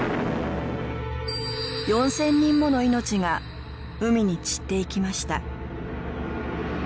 ４０００人もの命が海に散っていきました。